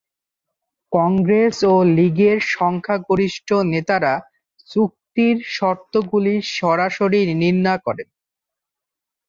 কংগ্রেস ও লীগের সংখ্যাগরিষ্ঠ নেতারা চুক্তির শর্তগুলির সরাসরি নিন্দা করেন।